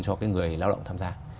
cho người lao động tham gia